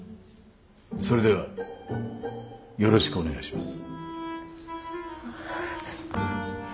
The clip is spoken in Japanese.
それではよろしくお願いします。